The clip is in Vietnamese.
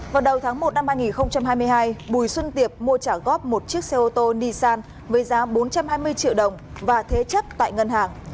vào đầu tháng một năm hai nghìn hai mươi hai bùi xuân tiệp mua trả góp một chiếc xe ô tô nissan với giá bốn trăm hai mươi triệu đồng và thế chấp tại ngân hàng